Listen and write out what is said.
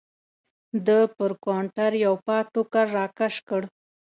ده پر کاونټر یو پاک ټوکر راکش کړ.